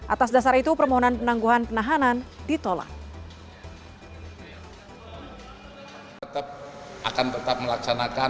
atas dasar itu permohonan penangguhan penahanan ditolak